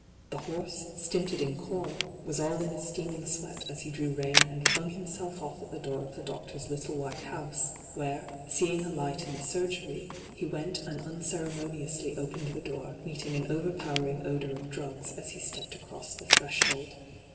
The horse, stinted in com, was all in a steaming sweat as he drew rein and flung himself off at the door of the doctor's little white house, where, seeing a light in the surgery, he went and unoeremoniouBly opened, the door, meeting an overpowering odour of drugs as he stepped across the threshold.